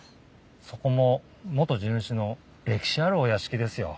そこも元地主の歴史あるお屋敷ですよ。